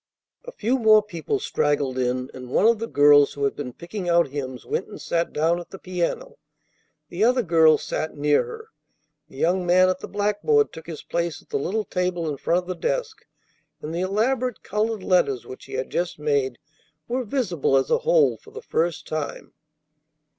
A few more people straggled in, and one of the girls who had been picking out hymns went and sat down at the piano. The other girl sat near her. The young man at the blackboard took his place at the little table in front of the desk, and the elaborate colored letters which he had just made were visible as a whole for the first time.